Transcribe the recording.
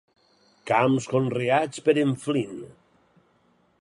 Camps conreats per en Flynn.